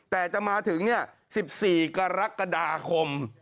แต่จะมาถึง๑๔กรกฎาคม